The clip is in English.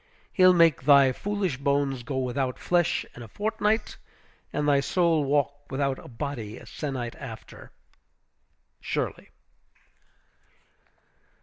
He'll make thy foolish bones go without flesh in a fortnight, and thy soul walk without a body a sennight after. SHIRLEY.